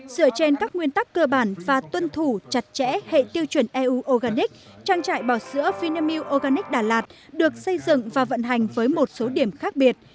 dựa trên các nguyên tắc cơ bản và tuân thủ chặt chẽ hệ tiêu chuẩn eu organic trang trại bò sữa vinamilk organic đà lạt được xây dựng và vận hành với một số điểm khác biệt